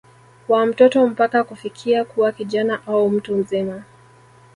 wa mtoto mpaka kufikia kuwa kijana au Mtu mzima